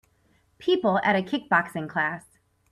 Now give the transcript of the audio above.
People at a kickboxing class.